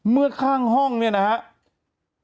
เมื่อข้างห้องเนี่ยนะครับ